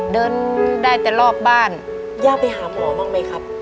เดินได้แต่รอบบ้านย่าไปหาหมอบ้างไหมครับ